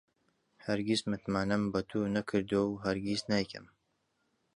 هەرگیز متمانەم بە تۆ نەکردووە و هەرگیز نایکەم.